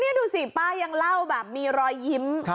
นี่ดูสิป้ายังเล่าแบบมีรอยยิ้ม